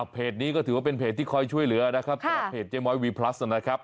เพจนี้ก็ถือว่าเป็นเพจที่คอยช่วยเหลือนะครับสำหรับเพจเจ๊ม้อยวีพลัสนะครับ